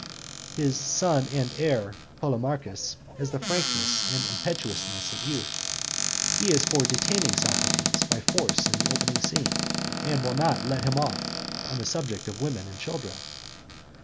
His 'son and heir' Polemarchus has the frankness and impetuousness of youth; he is for detaining Socrates by force in the opening scene, and will not 'let him off' on the subject of women and children.